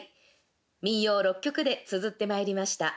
民謡６曲でつづってまいりました。